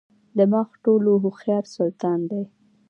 دماغ ټولو هوښیار سلطان دی.